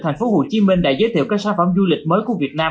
thành phố hồ chí minh đã giới thiệu các sản phẩm du lịch mới của việt nam